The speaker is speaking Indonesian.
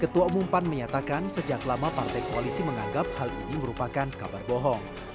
ketua umum pan menyatakan sejak lama partai koalisi menganggap hal ini merupakan kabar bohong